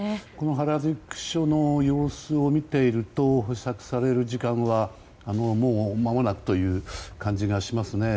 原宿署の様子を見ていると保釈される時間はもうまもなくという感じがしますね。